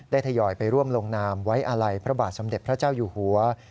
ทยอยไปร่วมลงนามไว้อาลัยพระบาทสมเด็จพระเจ้าอยู่หัว